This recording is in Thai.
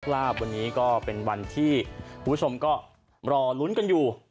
ลาบวันนี้ก็เป็นวันที่คุณผู้ชมก็รอลุ้นกันอยู่